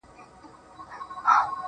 o مخامخ وتراشل سوي بت ته گوري.